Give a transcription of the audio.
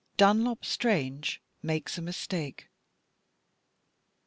DUNLOP STRANGE MAKES A MISTAKE.